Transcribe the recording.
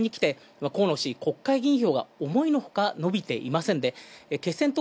しかし終盤にきて、河野氏、国会議員票がおもいのほか伸びていません。